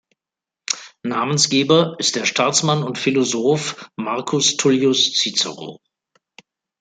Namensgeber ist der Staatsmann und Philosoph Marcus Tullius Cicero.